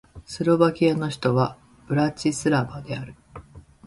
スロバキアの首都はブラチスラバである